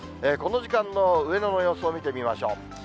この時間の上野の様子を見てみましょう。